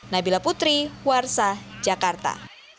nabila putri warsa jakarta